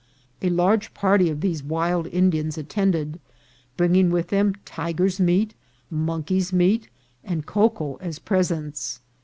A large party of these wild Indians attended, bringing with them tiger's meat, monkey's meat, and cocoa as presents.